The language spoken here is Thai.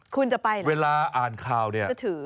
คุณจะไปเวลาอ่านข่าวเนี่ยจะถือ